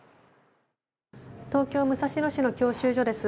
東京・武蔵野市の教習所です。